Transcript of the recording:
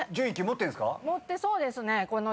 持ってそうですね。